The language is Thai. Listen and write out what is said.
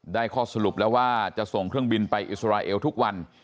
ข้อสรุปแล้วว่าจะส่งเครื่องบินไปอิสราเอลทุกวัน